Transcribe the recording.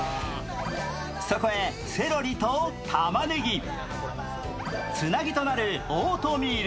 そこへセロリとたまねぎ、つなぎとなるオートミール。